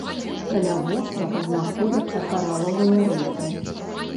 Каля вострава знаходзяцца каралавыя рыфы.